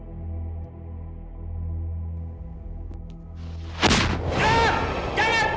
jangan jangan lakukan itu pada saya